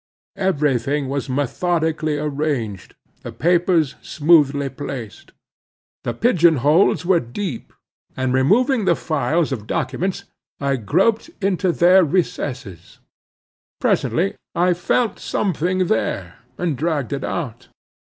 Every thing was methodically arranged, the papers smoothly placed. The pigeon holes were deep, and removing the files of documents, I groped into their recesses. Presently I felt something there, and dragged it out.